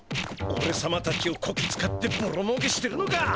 おれさまたちをこき使ってぼろもうけしてるのか！